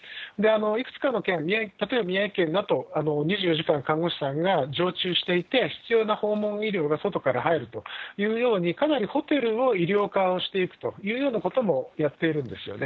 いくつかの県、例えば宮城県だと２４時間看護師さんが常駐していて、必要な訪問医療が外から入るというように、かなりホテルを医療化をしていくというようなこともやっているんですよね。